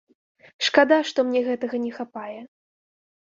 Шкада, што мне гэтага не хапае.